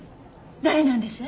誰なんです？